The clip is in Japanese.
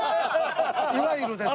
いわゆるです。